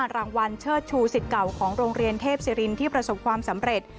รางวัลเชิดชูสิทธิ์เก่าของโรงเรียนเทพศิรินที่ประสบความสำเร็จ